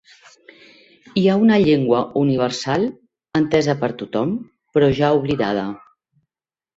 Hi ha una llengua universal, entesa per tothom, però ja oblidada.